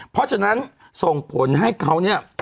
เพราะฉะนั้นส่งผลให้เขาเนี่ย